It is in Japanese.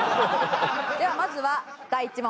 ではまずは第１問。